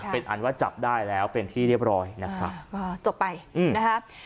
เป็นอันว่าจับได้แล้วเป็นที่เรียบร้อยนะครับจบไปนะครับ